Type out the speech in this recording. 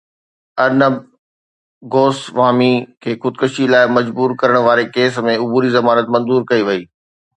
ارنب گوسوامي کي خودڪشي لاءِ مجبور ڪرڻ واري ڪيس ۾ عبوري ضمانت منظور ڪئي وئي